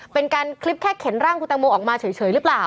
เป็นการคลิปแค่เข็นร่างคุณตังโมออกมาเฉยหรือเปล่า